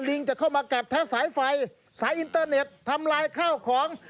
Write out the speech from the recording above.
ลิงจะเข้ามากัดแท้สายไฟสายอินเตอร์เน็ตทำลายข้าวของ